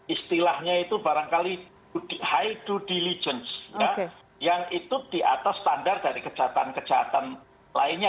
istilahnya itu barangkali high due diligence yang itu di atas standar dari kejahatan kejahatan lainnya